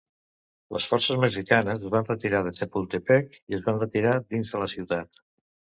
Les forces mexicanes es van retirar de Chapultepec i es van retirar dins de la ciutat.